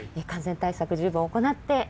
感染対策十分行って。